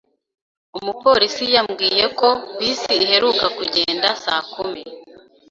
Umupolisi yambwiye ko bisi iheruka kugenda saa kumi.